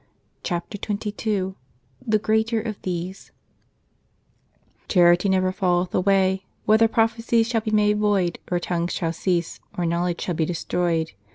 148 CHAPTER XXII "THE GREATER OF THESE" " CHARITY never falleth away : whether prophecies shall be made void, or tongues shall cease, or knowledge shall be destroyed.